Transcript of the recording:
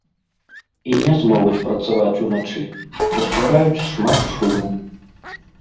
І не змогуць працаваць уначы, бо ствараюць шмат шуму!